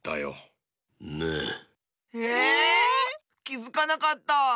きづかなかった。